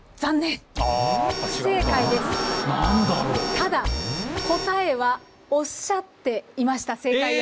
ただ答えはおっしゃっていました正解を。